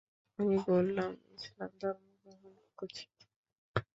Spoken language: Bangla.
আমি বললাম, ইসলাম ধর্ম গ্রহণ করেছি।